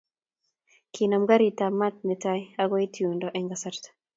Kinam gariitab maat ne tai ak koit yundo eng kasarta.